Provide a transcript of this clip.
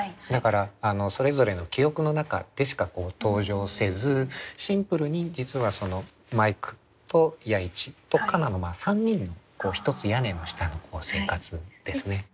だからそれぞれの記憶の中でしか登場せずシンプルに実はマイクと弥一と夏菜の３人のひとつ屋根の下の生活ですね。